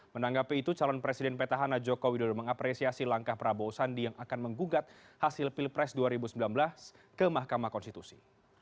menanggapi itu calon presiden petahana joko widodo mengapresiasi langkah prabowo sandi yang akan menggugat hasil pilpres dua ribu sembilan belas ke mahkamah konstitusi